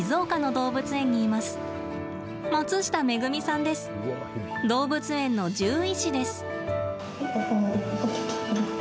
動物園の獣医師です。